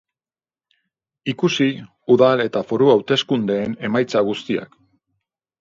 Ikusi udal eta foru hauteskundeen emaitza guztiak.